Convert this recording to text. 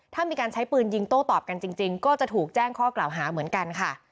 ถ้ามีการใช้ปืนยิงโต้ตอบกันจริงก็จะถูกแจ้งข้อกล่าวหาเหมือนกันค่ะ